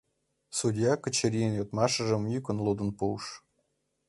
Судья Качырийын йодмашыжым йӱкын лудын пуыш.